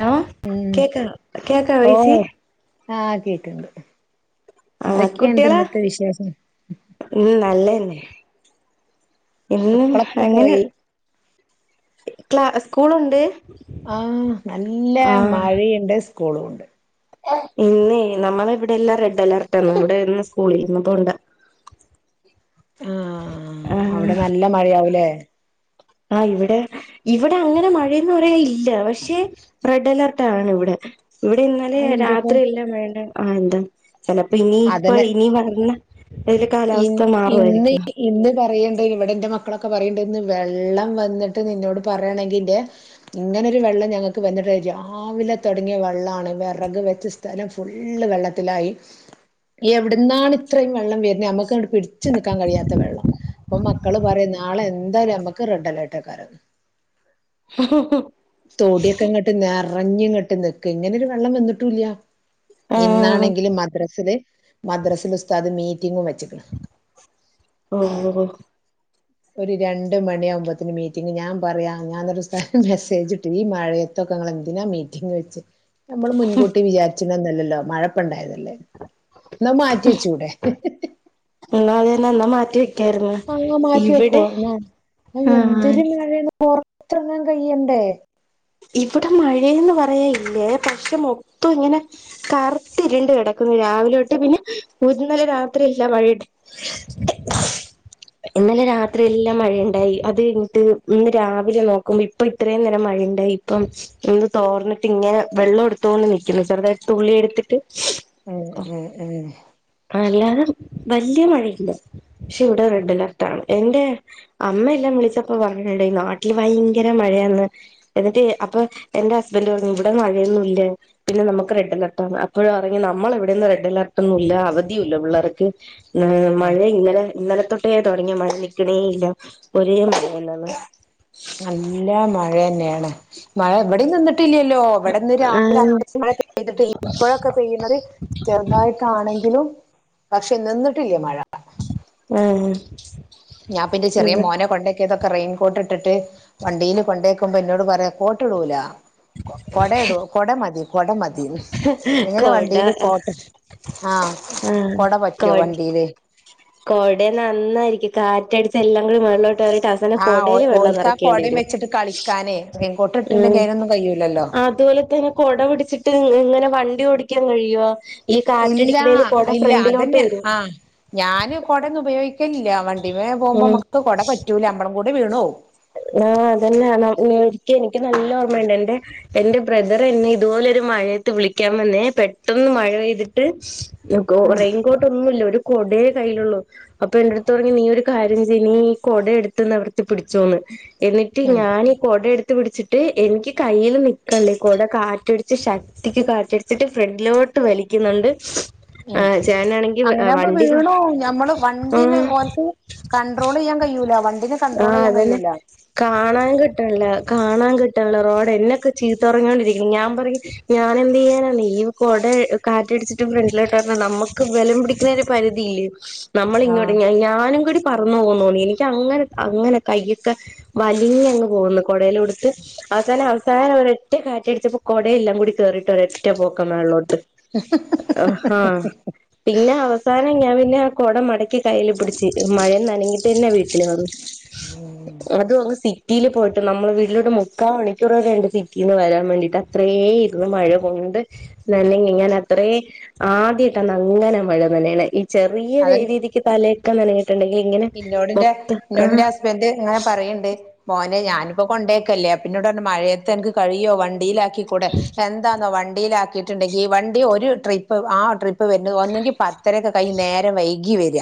Hello മ്മ് കേക്കാ കേക്കാ വൈസി ഓഹ് ആഹ് കേക്ക്ണ്ട് എന്തൊക്കെയിണ്ട് ഇന്നത്തെ വിശേഷം മ്മ് നല്ലെന്നെ ഇന്ന് മക്കളൊക്കെ അങ്ങനെ പോയി ക്ലാ സ്കൂളുണ്ട് ആ നല്ല മഴെണ്ട് സ്കൂളുമുണ്ട് ഇന്നെ നമ്മളെവിടെയെല്ലാം റെഡ് അലേർട്ടാണ് അവിടെ ഇന്ന് സ്കൂളില്ല ഇന്ന് പോണ്ട [inaudible] ആഹ് ആഹ് അവിടെ നല്ല മഴയാവൂലേ ആഹ് ഇവിടെ ഇവിടെ അങ്ങനെ മഴയെന്ന് പറയാൻ ഇല്ല പക്ഷെ റെഡ് അലർട്ടാണ് ഇവിടെ ഇവിടെ ഇന്നലെ അതെന്തേപ്പോ രാത്രി എല്ലാം വേണ്ട ആ എന്താ ചെലപ്പോ ഇനി ഇപ്പ അതന്നെ ഇനി വരുന്ന അതില് ഇ കാലാവസ്ഥ ഇന്ന് മാറുവായിരിക്കും ഇന്ന് പറയെണ്ട് ഇവിടെ ഇന്റെ മക്കളൊക്കെ പറയണ്ട് ഇന്ന് വെള്ളം വന്നിട്ട് നിന്നോട് പറയാണെങ്കില്ലെ ഇങ്ങനൊരു വെള്ളം ഞങ്ങക്ക് വന്നിട്ട് രാവിലെ തൊടങ്ങിയ വെള്ളാണ് വെറക് വെച്ച സ്ഥ സ്ഥലം ഫുള്ള് വെള്ളത്തിലായി എവിടുന്നാണ് ഇത്രയും വെള്ളം വെരു ഞമ്മുക്കങ്ങട്ട് പിടിച്ച് നിക്കാൻ കഴിയാത്ത വെള്ളം അപ്പം മക്കള് പറയാ നാളെ എന്തായാലും ഞമ്മുക്ക് റെഡ് അലർട്ടായെക്കാരം [inaudible] തൊടിയൊക്കെ ഇങ്ങോട്ട് നെറഞ്ഞിങ്ങോട്ട് നിക്കാ ഇങ്ങനൊരു വെള്ളം വന്നിട്ടൂല്ല ആഹ് ഇന്നാണെങ്കില് മദ്രാസില് മദ്രാസിൽ ഉസ്താദ് മീറ്റിങ്ങും വെച്ച്ക്ക്ണ് ഓ ഒരു രണ്ട് മണിയാവുമ്പോത്തിനും മീറ്റിംഗ് ഞാൻ പറയാ ഞാന്നിട്ട് ഉസ്താദിന് മെസ്സേജിട്ട് ഈ മഴയെ ത്തൊക്കെങ്ങള് എന്തിനാ മീറ്റിംഗെച്ചെ നമ്മൾ മുൻകൂട്ടി വിചാരിച്ചിരുന്നല്ലല്ലോ മഴപ്പണ്ടായതല്ലേ എന്നാ മാറ്റിച്ചൂടെ ഉം ഇന്ന്തെ നല്ല മാറ്റി വെക്കായിരുന്നു അങ്ങ മാറ്റി ഇവിടെ വെക്കുമോ ആ ആഹ് എന്തൊരു മഴയാണ് പൊറത്തിങ്ങാൻ കയ്യണ്ടേ ഇവിടെ മഴയെന്ന് പറയാൻ ഇല്ലെ പക്ഷേ മൊത്തം ഇങ്ങനെ കറുത്തിരുണ്ട് കിടക്കുന്നു രാവിലൊട്ട് പിന്നെ ഇന്നലെ രാത്രി ഇല്ല മഴ [inaudible] ഇന്നലെ രാത്രിയെല്ലാം മഴയുണ്ടായി അത് കഴിഞ്ഞിട്ട് ഇന്ന് രാവിലെ നോക്കുമ്പോ ഇപ്പൊ ഇത്രയും നേരം മഴയുണ്ടായി അപ്പം ഇന്ന് തോർന്നിട്ട് ഇങ്ങനെ വെള്ളം എടുത്തൊണ്ട് നിക്കുന്ന് ചെറുതായിട്ട് തുള്ളി എടുത്തിട്ട് ഏഹ് ഏഹ് ഏഹ് ആ അല്ലാതെ വല്യ മഴയില്ല പക്ഷെ ഇവിടെ റെഡ് അലർട്ടാണ് എന്റെ അമ്മയെല്ലാം വിളിച്ചപ്പോ പറഞ്ഞുണ്ട് നാട്ടിൽ ഭയങ്കര മഴയാന്ന് എന്നിട്ട് അപ്പൊ എന്റെ ഹസ്ബനന്റ് പറഞ്ഞു ഇവിടെ മഴയൊന്നുല്ല പിന്നെ നമുക്ക് റെഡെലേർട്ടാണ് അപ്പോഴറഞ്ഞ് നമ്മളെ ഇവിടെന്ന് റെഡ് അലർട്ടൊന്നുല്ലാന്ന് അവധിയൂല്ല പിള്ളേർക്ക് ഇ മഴ ആഹ് ഇന്നലെ ഇന്നലത്തെ ട്ടെ തൊടങ്ങിയ മഴ നിൽക്കണേ ഇല്ല ഒരേ മഴയാണ് നല്ല മഴെന്നെയാണ് മഴ ഇവിടെം നിന്നിട്ടില്ലല്ലോ ഇവിടെന്ന് രാവിലെ ആഹ് അത്രേം മഴ പെയ്തിട്ട് ഇപ്പോഴൊക്കെ പെയ്യുണത് ചെറുതായിട്ടാണെങ്കിലും പക്ഷെ നിന്നിട്ടില്ല മഴ ഉം ആഹ് ഞാപ്പിന്റെ ചെറിയ ഇവടെ മോനെ കൊണ്ടെ ക്കിയതൊക്കെ റെയിൻകോട്ടിട്ട് വണ്ടീല് കൊണ്ടേയേക്കുമ്പോ എന്നോട് പറയാ കോട്ടിടൂല കൊട ഇടും കൊട മതി കൊട മതി എങ്ങനെ കൊട വണ്ടിയില് കോട്ട് ആഹ് കൊട പറ്റോ വണ്ടീല് കൊടേ നന്നായിരിക്കും കാറ്റടിച്ച് എല്ലാം കൂടി മോളി ലോട്ട് അവസാനം ആഹ് ഓ കൊടെൽ വെള്ളം ഓൽക്കാ നെറക്കേണ്ടി കൊടയും വരും വെച്ചിട്ട് കളിക്കാനേ റെയിൻകോട്ട് ഉം ഇട്ടിട്ടുണ്ടെങ്കി അതിനൊന്നും കഴിയൂലല്ലോ അതുപോലെത്തന്നെ കൊട പിടിച്ചിട്ട് ഇങ്ങനെ വണ്ടി ഓടിക്കാൻ കഴിയ്യോ ഈ ഇല്ല കാറ്റടിക്കണേൽ കോട ഫ്രണ്ടിലോട്ട് വരും ഞാൻ കുടന്ന് ഉപയോഗിക്കലില്ല വണ്ടിമേ പോകുമ്പോ ഉം നമുക്ക് കുട പറ്റൂല നമ്മളും കൂടി വീണു പോവൂ അഹ് അതന്നെയണ ഒരിക്ക എനിക്ക് നല്ല ഓർമ്മയുണ്ട് എന്റെ എന്റെ ബ്രദർ എന്നെ ഇതുപോലെ ഒരു മഴയത്ത് വിളിക്കാൻ വന്നേ പെട്ടന്ന് മഴ പെയ്തിട്ട് റെയിൻകോട്ട് ഒന്നുല്ല ഒരു കൊടേ കയ്യിലുള്ളൂ അപ്പൊ എന്റെ അടുത്ത് പറഞ്ഞു നീ ഒരു കാര്യം ചെയ് നീ കൊട എടുത്ത് നിവൃത്തി പിടിച്ചോന്ന് എന്നിട്ട് ഉം ഞാൻ കൊട എടുത്ത് പിടിച്ചിട്ട് എനിക്ക് കയ്യിൽ നൽക്കണല്ലേ കൊട കാറ്റടിച്ച് ഷ ക് ത്തിക്ക് കാറ്റടിച്ചിട്ട് ഫ്രെണ്ടിലോട്ട് വലിക്കുന്നുണ്ട് ഉം ആഹ് ചേട്ടനാണെങ്കിൽ അങ്ങനെയാവുമ്പോ വണ്ടി വീണുപോവും ഞമ്മള് വണ്ടിന് ആഹ് ഓൽക്ക് കൺട്രോളെയ്യാൻ കയ്യൂല വണ്ടിന് ആഹ് കണ്ടട്രോളെയ്യാൻ അതന്നെ കയ്യൂല്ല കാണാൻ കിട്ടാനില്ല കാണാൻ കിട്ടാനില്ല റോഡ് എന്നൊക്കെ ചീത്ത പറഞ്ഞോടിരിക്കും ഞാൻ പറയും ഞാന് എന്തയ്യാനാ നീയും കൊട കാറ്റടിച്ചിട്ട് ഫ്രണ്ടിലോട്ട് വന്ന നമ്മുക്ക് ബലം പിടി ക്ക്‌ണെ ഒരു പരിധിയില്ലേ നമ്മളിങ്ങോട്ട ആഹ് ഞാനും കൂടി പറന്നു പോകുന്നോന്നി എനിക്ക് അങ്ങനെ അങ്ങനെ കയ്യൊക്കെ വലിഞ്ഞങ്ങ് പോന്നു കൊടയിലോടുത്ത് അവസാനം അവസാനം ഒരൊറ്റ കാറ്റടിച്ചപ്പോ കൊടെല്ലാം കൂടി കേറിയിട്ട് ഒരൊറ്റ പോക്ക മേളിലോട്ട് ഹ പിന്നെ അവസാനം ഞാൻ പിന്നെ കുട മടക്കി കയ്യിൽ പിടിച്ച് മഴ നൻ ങ്ങിട്ടനെ വീട്ടില് [unintelligible] ഉം നമ്മുക് ഒന്ന് സിറ്റിയില് പോയിട്ട് നമ്മൾ വീട്ടിലോട്ട് മുക്കാ മണിക്കൂറോടെ വേരെ ഉണ്ട് സിറ്റിന്ന് വരാൻ വേണ്ടിയിട്ട് ത്രേ ഇരുന്നു മഴ കൊണ്ട് ന്നല്ലെങ്കി ഞാൻ അത്രേ ആദ്യട്ടന്ന അങ്ങനെ മഴ നനയണെ ചെറിയ അതന്നെ രീതിക്ക് തലേക്ക നഞ്ഞിട്ടുണ്ടെങ്കിൽ ഇങ്ങനെ ഇന്നോടിന്റെ മൊത്തം ആഹ് ഇന്നോടിന്റെ ഹസ്ബൻഡ് ഇങ്ങനെ പറയണ്ട് പോലെ ഞാനിപ്പോ കൊണ്ടേക്കല്ലേ അപ്പൊന്നോട് പറഞ്ഞു മഴയത്തെ എനിക്ക് കഴിയോ വണ്ടിയിലാക്കികൂടെ എൻ ന്താന്നോ വണ്ടിയിലാക്കിയിട്ടുണ്ടെങ്കി വണ്ടി ഒരു ട്രിപ്പ് ആ ട്രിപ്പ് വരുന്നു ഒന്നെങ്കിൽ പത്തരക്കത് കൈ നേരം വൈകി വേര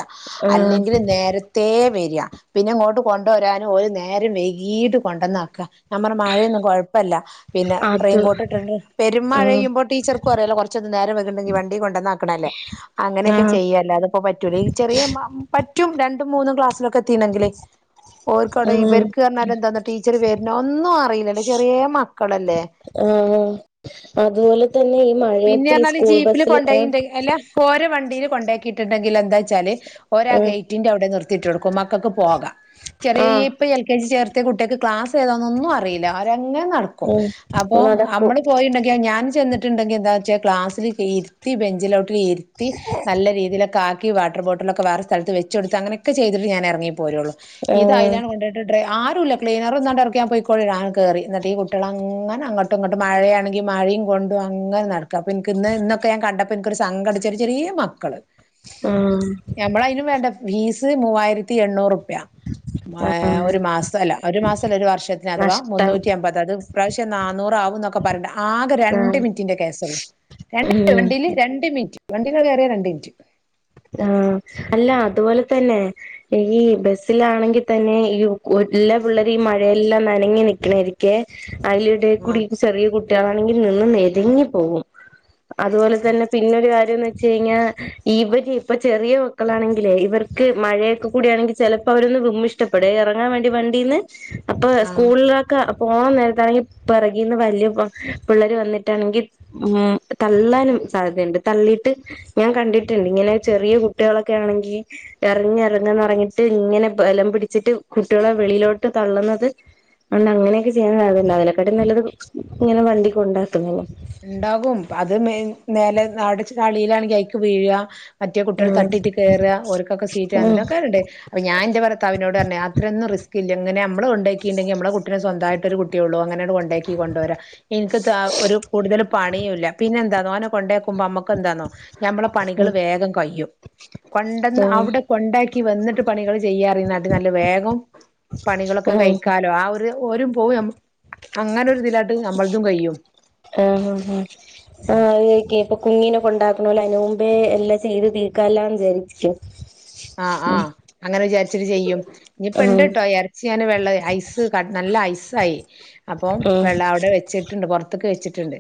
ആഹ് അല്ലെങ്കില് നേരത്തേ വേര പിന്നെ ഇങ്ങോട്ട് കൊണ്ടുവരാനും ഒരു നേരം വൈകീട്ട് കൊണ്ടന്നാക്ക ഞാ പറ മഴയൊന്നും കൊഴപ്പല്ല പിന്നെ അത് റെയിൻകോട്ടിണ്ട് ആഹ് പെരുമഴയ്യുമ്പോ ടീച്ചർക്കും അറിയാലോ കുറച്ചൊന്ന് നേരം വൈകിണ്ടെങ്കി വണ്ടി കൊണ്ടോന്നാക്ണല്ലേ അങ്ങനെയൊക്കെ ആഹ് ചെയ്യല്ലാത്പ്പോ പറ്റൂല്ല ഈ ചെറിയ പറ്റും രണ്ടും മൂന്നും ക്ലാസ്സിലൊക്കെ തീന്നെങ്കില് ഓർക്കട ആഹ് ഇവർക്ക് അർഞാലെന്താന്ന ടീച്ചർ വരുന്ന ഒന്നും അറിയില്ലല്ലെ ചെറിയേ മക്കളല്ലേ ഏഹ് അതുപോലെ തന്നെ ഈ മഴയത്ത് ഈ സ്കൂൾ ബസില് അഹ് കോര വണ്ടിയില് കൊണ്ടാക്കിയിട്ടുണ്ടെങ്കില് എന്താച്ചാല് ഓര് ആഹ് ആഗേറ്റിന്റെവ് ത്തിറ്റൊടുക്കും മക്കക്ക് പോക ചെറിയേ ആഹ് ഇപ്പൊ എൽ കെ ജി ചേർത്തിയ കുട്ട്യേക് ക്ലാസ് ഏതാന്നോന്നു അറിയില്ല അവരങ്ങനെ നടക്കും ഉം അപ്പോ നടക്കും നമ്മള് പോയിണ്ടെങ്കി ഞാൻ ചെന്നിട്ടുണ്ടെങ്കി എന്താ വച്ചാ ക്ലാസ്സില് ഇരുത്തി ബെഞ്ചിലോട്ടിൽ ഇരുത്തി നല്ല രീതിയിലോകാ ക്കി വാട്ടർ ബോട്ടിലോക്കെ വേറെ സ്ഥലത്ത് വെച്ചൊടുത്ത് അങ്ങനൊക്കെ ചെയ്ത്ട്ട് ഞാൻ ഇറങ്ങി പോരുള്ളൂ ഇത് ആഹ് അയിലാണ് കൊണ്ട് ട്ട ഡ്രൈ ആരുല്ല ക്ലീനർന്നാണ്ട് എർക്കി യൻ പോയികോളി ഞാ കേറി ന്നിട്ട് ഈ കുട്ട്യള ങ്ങനെ അങ്ങ ട്ട്ങ്ങട്ട് മഴയാണെങ്കി മയിം കൊണ്ടും അങ്ങനെ നടക്ക അപ്പൊ ഇൻക്ക് ഇന്ന് ഇന്നൊക്കെ ഞാൻ കണ്ടപ്പോ എനിക്കൊരു സങ്കടം ചെറിയ ചെറിയേ മക്കള് ആഹ് നമ്മള് അയിന് വേണ്ടെ ഫീസ് മൂവായിരത്തി എണ്ണൂറുപ്യ [unintelligible] ആഹ് ഒരു മാസം അല്ല ഒരു മാസല്ല ഒരു വർഷത്തിന് അഥവാ നഷ്ടം മുന്നൂറ്റി അമ്പത് ഈ പ്രാവശ്യം നന്നൂർ അവുന്നൊക്കെ പറിണ്ട് ആകെ രണ്ട് ആഹ് മിനിറ്റിന്റെ കേസള്ളൂ രണ്ട് ഉം വണ്ടില് രണ്ട് മിനിറ്റ് വണ്ട്യൊക്കെ കയറിയ രണ്ട് മിനുറ്റ് അഹ് അല്ല അതുപോലെ തന്നെ ഈ ബസ്സിലാണെങ്കിൽ തന്നെ ഈ എല്ല പിള്ളേര് ഈ മഴയെല്ലാം നനങ് നിക്കണായിരിക്കേ അയ്ല്ടേകൂടി ചെറിയ കുട്ടികളാണെങ്കിൽ നിന്ന് നെര്ങ്ങി പോകും അതുപോലെ തന്നെ പിന്നെരു കാര്യംന്നച്ച്ഴിഞ്ഞാ ഇവര് ഇപ്പൊ ചെറിയ മക്കളാണെങ്കില് ഇവർക്ക് മഴയൊക്കെ കൂടിയാണെങ്കി ചിലപ്പോ അവരൊന്ന് വിമ്മിഷ്ടപ്പെടെ ഇറങ്ങാൻ വേണ്ടി വണ്ടിന്ന് അപ്പൊ ആഹ് സ്കൂളിലോ പോകാ നേരത്താണെങ്കിൽ പിറകിന്ന് വലിയ പിള്ളേര് വന്നിട്ടാണെങ്കിൽ ഉം തള്ളാനും സാധ്യത ഇണ്ട് തള്ളിട്ട് ഞാൻ കണ്ടിട്ട്ണ്ട് ഇങ്ങനെ ചെറിയ കുട്ട്യാളൊക്കെ ആണെങ്കിൽ എറങ്ങി എറങ്ങന്ന് പറഞ്ഞിട്ട് ഇങ്ങനെ ബലം പിടിച്ചിട്ട് കുട്ടികളെ വെളിയിലോട്ട് തള്ളുന്നത് അണ്ട് അങ്ങനെയൊക്കെ ചെയ്യണേല്ണ്ടാവും അതിലേകാട്ടിം നല്ലത് ഇങ്ങനെ വണ്ടി കൊണ്ടാക്കുന്നതാ ഇണ്ടാകും അത്‌ മേ നേലേ നട ചളിലാണെങ്കി അയിക്ക് വീഴാ മറ്റേ കുട്ടികൾ ഉം തട്ടിട്ട് കേറാ ഓൽക്കൊക്കെ സീറ്റ് ഉം എന്തോക്കോണ്ട് അപ്പ ഞാൻ ഇന്റെ ഭർത്താവിനോട് പർഞ്ഞ് അത്രൊന്നും റിസ്കില്ല ഇങ്ങനെ ഞമ്മള് കൊണ്ടാക്കിണ്ടെങ്കി നമ്മള് കുട്ടിനേ സ്വന്തായിട്ടൊരു കുട്ടിയൊള്ളു അങ്ങനണ്ട് കൊ ണ്ടാക്കി കൊണ്ടോരാ ഇൻക്ക് താ ഒരു ഒരു പണിയുംല്ല പിന്നെ എന്താന്നോ ഓനെ കൊണ്ടാക്കുമ്പോ അമ്മക്കെന്താന്നോ ഞമ്മളെ പണികള് വേഗം കയ്യും കൊണ്ടന്ന് ആഹ് അവടെ കൊണ്ട ക്കി വന്ന്ട്ട് പണികള് ചെയ്യാന്നറിനേ കാട്ടിം നല്ലത് വേഗം പണികളൊക്കെ കഴിക്കാലോ ആ ഒരു ഓരും പോവും ഞമ്മ അങ്ങനൊരു ഇതിലണ്ട് ഞമ്മൾതും കയ്യും ആഹ് ആഹ് ആഹ് ആഹ് അത് ഇപ്പൊ കുഞ്ഞിനേ കോണ്ടാക്ക്ണോലെ അയ്ന് മുമ്പേ എല്ലാം ചെയ്ത് തീർക്കാല്ലാന്ന് വിചാരിക്കും ആഹ് ആഹ് അങ്ങനെ വിചാരിച്ചിട്ട് ചെയ്യും ഇനി ആഹ് ഇപ്പണ്ട്ട്ടോ എ ചെയ്യാന് വെള്ളവേ ഐസ് നല്ല ഐസായി അപ്പം ആഹ് വെള്ളം അവിടെ വെച്ച് ട്ട്ണ്ട് പൊർത്ത്ക്ക് വെച്ചിട്ടുണ്ട്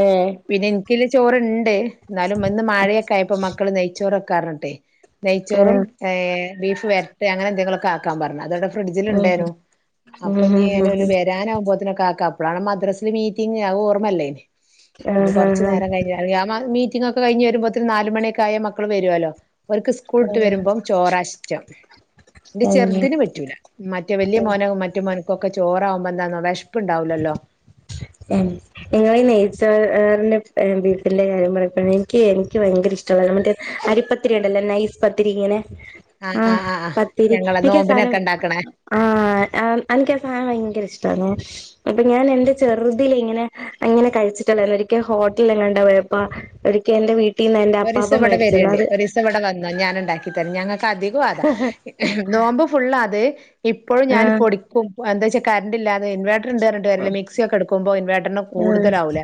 ഏഹ് പിന്നെ ഇൻക്ക്ള്ള ചോറ്ണ്ട് ഇന്നാലും ഇന്ന് മഴയൊക്കെ ആയപ്പോ മക്കള് നെയ്ച്ചോറെക്കാർഞ്ഞിട്ടെ ചോറും ആഹ് ഏഹ് ബീഫ് വര്ട്ടെ അങ്ങനെ എന്തെങ്കിലൊക്കെ ആക്കാൻപർഞ്ഞ് അതോടെ ഫ്രിഡ്ജില് ആഹ് ഇണ്ടേനും അപ്പൊ ആഹ് ഇനി ആഹ് ഞാൻ ഓല് വെ രാനാവുമ്പോത്തിനൊക്കെ ആക്കാം അപ്പോഴാണ് മദ്രാസ്സ്ല് മീറ്റിംങ് അത് ഓർമ്മല്ലേനി ഇനി കൊർച്ച് ആഹ് നേരം കയി അതെ ആ നാല് മീറ്റിംങ്ങോക്കെ കഴിഞ്ഞ് വരുമ്പോത്തിന് നാലുമണി ഒക്കെ ആയാല് മക്കള് വരോലോ ഓര്ക്ക് സ്കൂള്ട്ട് വരുമ്പോം ചോറാ ഇഷ്ടം ഇന്റെ ആഹ് ആഹ് ചെറുതിന് പറ്റൂല മറ്റേ വല്ല്യ ആഹ് മോനും മറ്റേ മോൻക്കൊക്കെ ചോറാവുമ്പോ എന്താന്നോ വിഷപ്പ് ഇണ്ടാവൂലല്ലോ ഉം ഇങ്ങളി ഈ നെയ്ച്ചോറിന്റേം ബീഫിന്റെ കാര്യം പറയുമ്പ എനിക്ക് എനിക്ക് ഭയങ്കര ഇഷ്ട മറ്റേ അരിപത്തിരി ഉണ്ടല്ലോ നൈസ് പത്തിരി ഇങ്ങനെ ആഹ് പത്തിരി എനിക്ക് ആ സാനം ആഹ് അഹ് അൻക്ക സാനം ഭയങ്കര ഇഷ്ട്ടാന്നു അപ്പൊ ഞാൻ എന്റെ ചെറുതിൽ ഇങ്ങനെ ഇങ്ങനെ കഴിച്ചിട്ടുണ്ടാര്ന്ന് ഒരിക്കെ ഹോട്ടൽല് എങ്ങാണ്ടോ പോയപ്പൊ ഒരിക്കെ എന്റെ വീട്ടീന്ന് എന്റെ അപ്പാപ്പ മേടിച്ചന്ന് അത് ത്തവിടെ വന്നോ ഞാൻ ഇണ്ടാക്കി തരാ ഞങ്ങൾക്ക് അധികം അതാ നോമ്പ് ഫുള്ള് അത് ഇപ്പോഴും ഞാന് ആഹ് പൊടിക്കും എന്താ വെച്ചാ കരണ്ട്ല്ലാതെ ഇൻവേട്ട്ർണ്ട്ന്നർഞ് ട്ടര്യല്ല മിക്സി ഒക്കെ ഇടുക്കുമ്പോ ഇൻവർട്ടറിന് ആഹ് കൂടുതലാവുലെ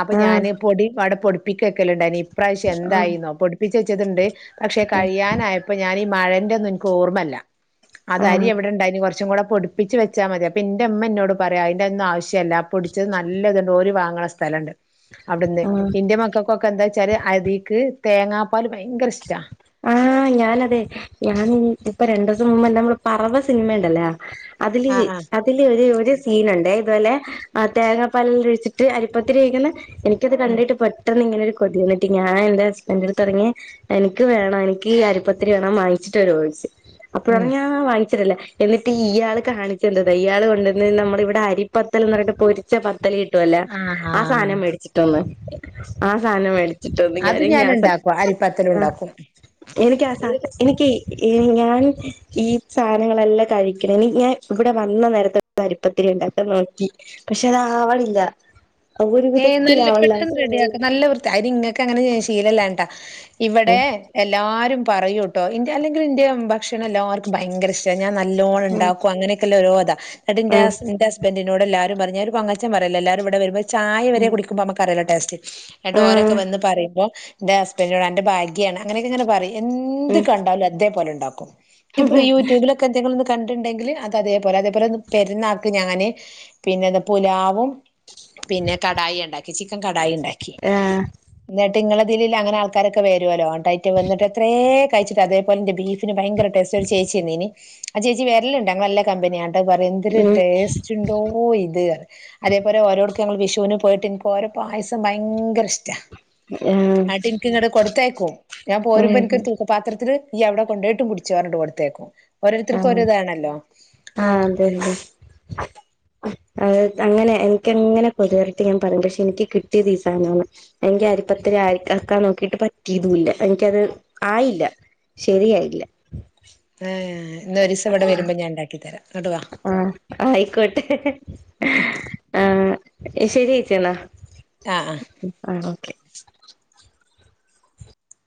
അപ്പൊ ഞാൻ പൊടി അടെ പൊടി പ്പിച്ചക്കല്ണ്ടായ്നി ഇപ്രാവിശ്യം ആഹ് എന്തായിന്നോ പൊടിപ്പിച്ച് വെച്ചത്ണ്ട് പക്ഷെ ആഹ് കഴിയാനായ അപ്പൊ ഞാനീ ഈ മഴന്റെ ഒന്നും ഇൻക്ക് ഓർമ്മ ഇല്ല അത് അരി ആഹ് എവിടെണ്ടായിനി കൊറച്ചും കൂടെ പൊട് പ്പിച്ച് വെച്ചാമതി അപ്പ ഇന്റെ ഇമ്മ ഇന്നോട് പറയും അയ്ൻ്റെ ഒന്നും ആശ്യല്ല പൊടിച്ചത് നല്ലത്ണ്ട് ഓര് വാങ്ണ സ്ഥലണ്ട് അവിട്ന്ന് ആഹ് ഇന്റെ മക്കക്കൊക്കെ എന്താച്ചാല് അതിക്ക് തേങ്ങാപ്പാൽ ഭയങ്കര ഇഷ്ട ആഹ് ഞാനതെ ഞാൻ ഇപ്പൊ രണ്ടു ദിവസംമുമ്പ് നമ്മളെ പറവ സിനിമണ്ടല്ലോ അതില് ആഹ് ആഹ് അതില് ഒരു ഒരു സീനുണ്ടെ ഇതോലെ ആഹ് തേങ്ങാപ്പാലെല്ലാം ഒഴിച്ചിട്ട് അരിപ്പത്തിരി ഒയിക്കുന്നെ എനിക്കത് ഉം കണ്ടിട്ട് പെട്ടെന്ന് ഇങ്ങനെ ഒരു കൊതി വന്നിട്ട് ഞാൻ എന്റെ ഹസബന്റെട്ത്ത് പറഞ്ഞ് എനി ട്ട് വേണം എനിക്കീ അരിപ്പത്തിരി വേണം വാങ്ങിച്ചിട്ടരോയ്ച്ച് അപ്പോഴണ് ഉം ഞാവാങ്ങിച്ചരാലോ എന്നിട്ട് ഇയാൾ കാണിച്ചെന്താണ് അയാൾ കൊണ്ടന്ന് നമ്മള് ഇവിടെ അരിപ്പത്തൽ എന്ന് പറഞ്ഞട്ട് പൊരിച്ച പത്തൽ ഇട്ട് കിട്ടുല്ല ആ ആഹ് സാധനം മേടിച്ചിട്ടൊന്ന്. ആ സാധനം മേടിച്ചിട്ടൊന്ന അത് ഞാൻ ഞ ഉണ്ടാക്കും അരിപ്പത്തല് [unintelligible] ഉണ്ടാക്കും എനിക്ക് ആ സാ എനിക്ക് ഞാൻ ഈ സാധനങ്ങളെല്ലാം കഴിക്ക്ണ [unintelligible] ഇവിടെ വന്ന നേരത്തെ കരിപ്പത്തിരി ഉണ്ടാക്കെ നോക്കി പക്ഷേ അതാവണില്ല. ഏയ് നല്ല പെട്ടെന്ന് റെഡിയാക്ക നല്ല വൃത്തി അയിന് ഇങ്ങക്ക് അങ്ങനെ ചെയ്യ ശീലല്ലാഞ്ഞിട്ട ഇവിടെ ഉം എല്ലാരും പറയൂ കേട്ടോ ഇൻ്റെ അല്ലെങ്കിൽ ഇൻ്റെ ഭക്ഷണം എല്ലാവർക്കും ഭയങ്കര ഇഷ്ട ഞാൻ നല്ലോണ്ണം ഉം ഉണ്ടാക്കും അങ്ങനെയൊക്കെല്ല ഓരോതാ എന്ന്ട്ട് ഇൻ്റെ ഹസ് ഹസ്ബ ഹസ്ബൻ്റിനോട്എല്ലാരും പറഞ്ഞ് ഞാന് ഒരു പൊങ്ങച്ചം പറയല്ലാ എല്ലാരും ഇവിടെ വരുമ്പം ചായ വരെ ഉം കുടിക്കുമ്പം നമുക്കറിയല്ലോ ടേസ്റ്റ്. ഉം എന്നട്ട് ഓരൊക്കെ ആഹ് വന്ന് പറയുമ്പോ എന്റെ ഹസ്ബൻ്റ്നോട് അന്റെ ഭാഗ്യ ആണ് അങ്ങനൊക്കെ അങ്ങനെ പറയും. എന്ത് ഉം കണ്ടാലും അതേപോലെ ഉണ്ടാക്കും ഇപ്പൊ യൂട്യൂബിലൊെ എന്തെങ്കിലും കണ്ടിണ്ടെങ്കിൽ അത് അതേപോലെ അതേ പോലെ പെരുന്നാക്ക് ഞാൻ പിന്നെന്താ പുലാവും. പിന്നെ കടായി ഉണ്ടാക്കി ചിക്കൻ കടായി ഉണ്ടാക്കി. ആഹ് എന്നിട്ട് ഇങ്ങളെ ഇതീല്ള്ള അങ്ങനെ ആൾക്കാരൊക്കെ വരുല്ലോ ന്ന്ട്ട് അയിറ്റ വന്ന്ട്ട് എത്ര കഴിച്ചിട്ട് അതേപോലെൻ്റെ ബീഫ്. പിന്നെ ഭയങ്കര ടേസ്റ്റ് ഒരു ചേച്ചി വന്നീനി ആ ചേച്ചി വരെല്ലാംണ്ട് ഞങ്ങളല്ല കമ്പനിയ. അഹ് പറിം എന്തര് ഉം ടേസ്റ്റ് ഉണ്ടോ ഇത് റിം അതേപലെ ഓരോ ഞങ്ങള് വിഷുവിന് പോയിട്ട് ഇന്ക്ക് ഓരോ പായസം ഭയങ്കര ഇഷ്ട. ആഹ് ആട്ട് ഇന്ക്ക് ഇങ്ങട്ട് കൊടുത്തയക്കും ഞാൻ പോരുമ്പോ ഉം ഇന്ക്കൊരു തൂ പാത്രത്തില് ഇയ്യ് അവിടെ കൊണ്ടോയിട് കുടിച്ചേർഞ്ഞിട്ട് കൊടുത്തയക്കും. ഓരോരുത്തർക്കും ഒരോ ഇതാണല്ലോ... ആഹ അതെ അതെ. അഹ് അങ്ങനെ എനിക്കങ്ങനെ കൊതിവരട്ടി ഞാൻ പറിം പക്ഷേ എനിക്ക് കിട്ടിയത് ഈ സാധനമാണ്. എനിക്ക് അരിപ്പത്തിരി അരക്കാൻ നോക്കിട്ട് പറ്റിയതുല്ല എനിക്കത് ആയില്ല. ശരിയായില്ല [unintelligible] ഇവിടെ വരുമ്പോ ഞാൻ ഉണ്ടാക്കി തരാം ഇങ്ങട്ട് വാ ആഹ ആയിക്കോട്ടെ. ആഹ ശരി ചേച്ചി ന്നാ. ആ ആ. ആ ഓക്കേ